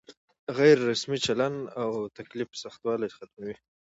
غیر رسمي چلن او تکلف سختوالی ختموي.